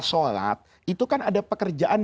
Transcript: sholat itu kan ada pekerjaan